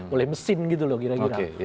oleh mesin gitu loh kira kira